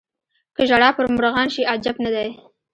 که ژړا پر مرغان شي عجب نه دی.